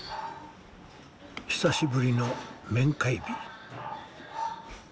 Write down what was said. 久しぶりの面会日。